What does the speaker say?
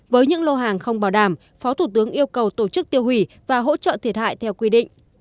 với những lô hàng không bảo đảm phó thủ tướng yêu cầu tổ chức tiêu hủy và hỗ trợ thiệt hại theo quy định